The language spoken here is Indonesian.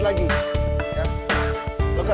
asal lo berdua tau